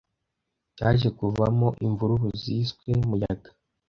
cyaje kuvamo imvururu ziswe Muyaga